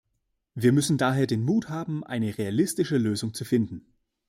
Wir müssen daher den Mut haben, eine realistische Lösung zu finden.